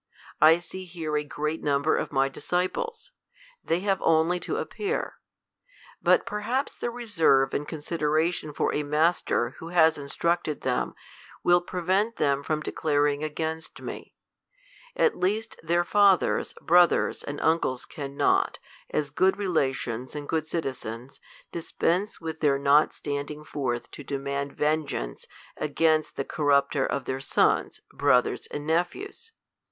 I see here a great number of my disciples : they Irave only to appear. But }7erhaps the reserve and considei ation for a rnaster, who has instructed theln, will prevent them from de claring against me : at least their fathers, brothers, and uncles cannot, as goiod relations And good citizens, dis pense with their not staiJJing forth to demand ven geance sgainst the corrupter of their sons, brothers, and nephews.